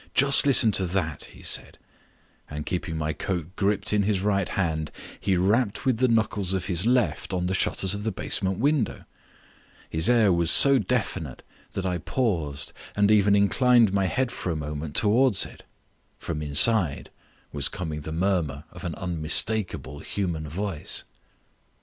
"Just listen to that," he said, and keeping my coat gripped in his right hand, he rapped with the knuckles of his left on the shutters of the basement window. His air was so definite that I paused and even inclined my head for a moment towards it. From inside was coming the murmur of an unmistakable human voice.